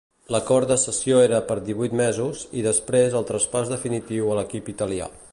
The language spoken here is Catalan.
L'acord de cessió era per divuit mesos i després el traspàs definitiu a l'equip italià.